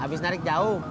habis narik jauh